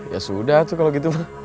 ya sudah tuh kalau gitu